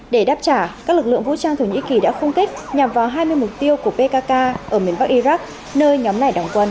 để đáp trả các lực lượng vũ trang thổ nhĩ kỳ đã khung kích nhằm vào hai mươi mục tiêu của pkk ở miền bắc iraq nơi nhóm này đóng quân